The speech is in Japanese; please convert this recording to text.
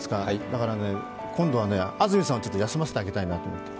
だから今度は安住さんを休ませてあげたいなと思って。